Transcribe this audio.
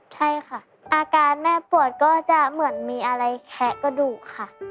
ใช่ค่ะอาการแม่ปวดก็จะเหมือนมีอะไรแคะกระดูกค่ะ